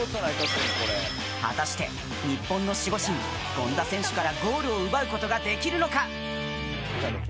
果たして日本の守護神、権田選手からゴールを奪うことができるのか？